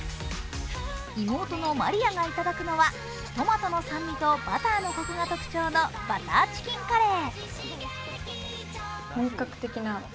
妹のまりあがいただくのは、トマトの酸味とバターのコクが特徴のバターチキンカレー。